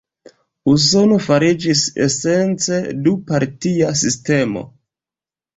Usono fariĝis esence du-partia sistemo.